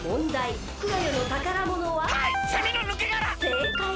せいかい。